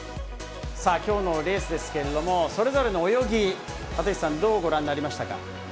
きょうのレースですけれども、それぞれの泳ぎ、立石さん、どうご覧になりましたか？